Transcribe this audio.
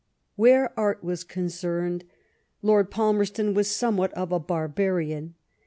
""^ Where art was con cerned Lord Palmerston was somewhat of a barbarian.